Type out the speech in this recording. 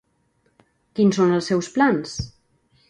Quins són els seus plans?